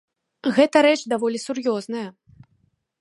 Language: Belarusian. Гэта рэч даволі сур'ёзная.